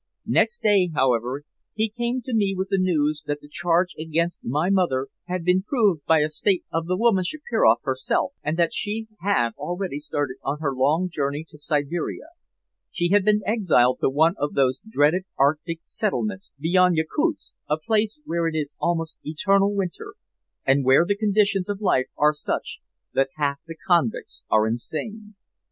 Next day, however, he came to me with the news that the charge against my mother had been proved by a statement of the woman Shiproff herself, and that she had already started on her long journey to Siberia she had been exiled to one of those dreaded Arctic settlements beyond Yakutsk, a place where it is almost eternal winter, and where the conditions of life are such that half the convicts are insane.